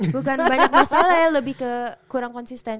bukan banyak masalah ya lebih ke kurang konsisten